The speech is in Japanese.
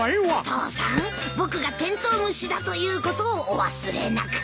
お父さん僕がテントウムシだということをお忘れなく。